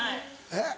えっ？